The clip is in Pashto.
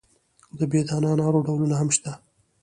د بې دانه انارو ډولونه هم شته.